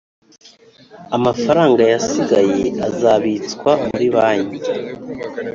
Amafaranga yasigaye azabitswa muri banki